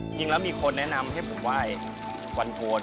จริงแล้วมีคนแนะนำให้ผมไหว้วันโกน